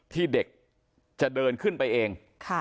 ที่เด็กจะเดินขึ้นไปเอง